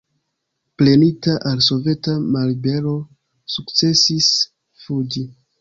Prenita al soveta mallibero sukcesis fuĝi.